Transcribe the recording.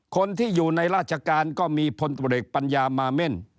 คนที่อยู่ในราชการก็มีพลตรวจเอกปัญญามาเม่น